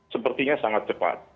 sepertinya sangat cepat